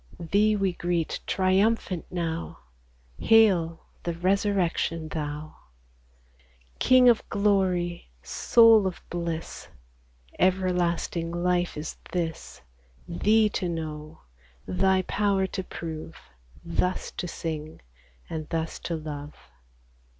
Thee we greet triumphant now, Hail, the Resurrection Thou ! King of glory, Soul of bliss ! Everlasting life is this, Thee to know, Thy power to prove, Thus to sing, and thus to love